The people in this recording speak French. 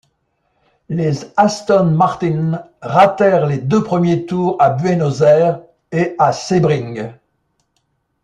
Les Aston Martin ratèrent les deux premiers tours à Buenos Aires et à Sebring.